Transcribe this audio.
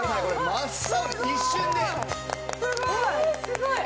すごい！